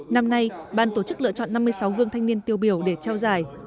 năm nay ban tổ chức lựa chọn năm mươi sáu gương thanh niên tiêu biểu để trao giải